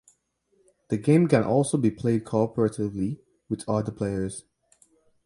The game can also be played cooperatively with other players.